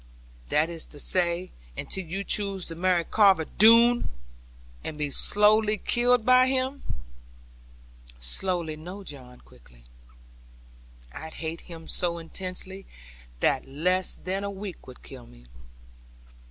'That is to say until you choose to marry Carver Doone, and be slowly killed by him?' 'Slowly! No, John, quickly. I hate him so intensely, that less than a week would kill me.'